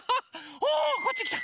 ほこっちきた。